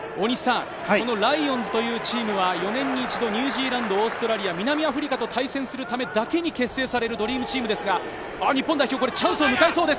ライオンズというチームは４年に一度、ニュージーランド、オーストラリア、南アフリカと対戦するためだけに結成されるドリームチームですが、日本代表がチャンスを迎えそうです。